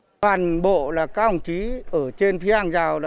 các cán bộ các ông chí ở trên phía hàng rào